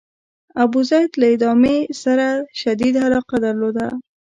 ابوزید له ادامې سره شدیده علاقه درلوده.